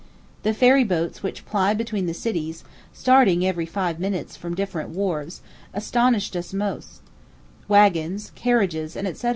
The ferry boats which ply between the cities, starting every five minutes from different wharves, astonished us most; waggons, carriages, &c.